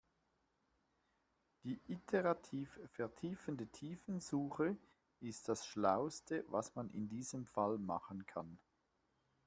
Die iterativ vertiefende Tiefensuche ist das schlauste, was man in diesem Fall machen kann.